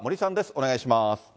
お願いします。